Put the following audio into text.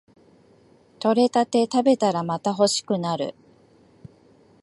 採れたて食べたらまた欲しくなる